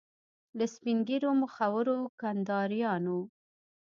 له سپین ږیرو مخورو کنداریانو.